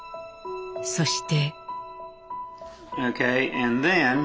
そして。